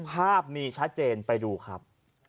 ภาพมีชัดเจนไปดูครับ